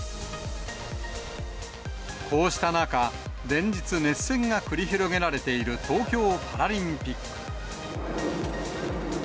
こうした中、連日、熱戦が繰り広げられている東京パラリンピック。